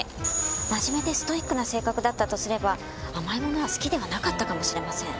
真面目でストイックな性格だったとすれば甘いものは好きではなかったかもしれません。